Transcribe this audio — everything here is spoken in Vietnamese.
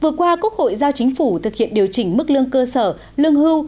vừa qua quốc hội giao chính phủ thực hiện điều chỉnh mức lương cơ sở lương hưu